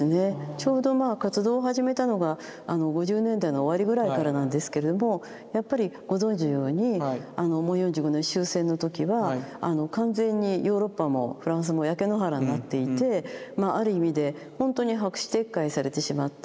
ちょうどまあ活動を始めたのが５０年代の終わりぐらいからなんですけれどもやっぱりご存じのように４５年終戦の時は完全にヨーロッパもフランスも焼け野原になっていてある意味でほんとに白紙撤回されてしまった。